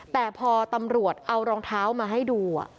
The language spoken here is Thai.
แต่พอตำรวจเอารองเท้ามาให้ดู